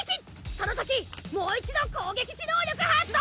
そのときもう一度攻撃時能力発動！